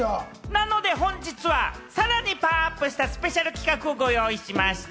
なので本日は、さらにパワーアップしたスペシャル企画をご用意しました。